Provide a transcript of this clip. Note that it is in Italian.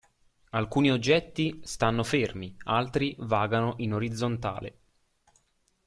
Alcuni oggetti stanno fermi, altri vagano in orizzontale.